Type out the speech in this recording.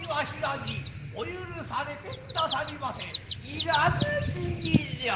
いらぬ辞儀じゃ。